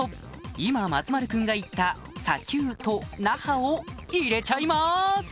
今松丸君が言った「砂丘」と「ナハ」を入れちゃいます